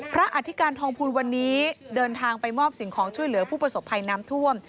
อธิการทองภูลวันนี้เดินทางไปมอบสิ่งของช่วยเหลือผู้ประสบภัยน้ำท่วม